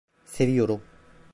Seviyorum.